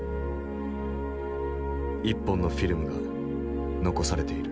一本のフィルムが残されている。